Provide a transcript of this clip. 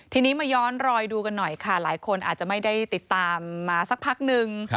ทีนี้มาย้อนรอยดูกันหน่อยค่ะหลายคนอาจจะไม่ได้ติดตามมาสักพักนึง